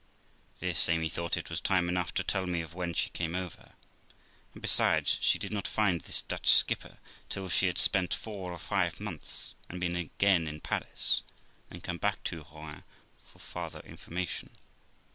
This, Amy thought it was time enough to tell me of when she came at 322 THE LIFE OF ROXANA over 5 and, besides, she did not find this Dutch skipper till she had spent four or five months and been again in Paris, and then come back to Rouen for farther information.